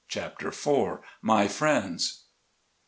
CHAPTER IV MY FRIENDS.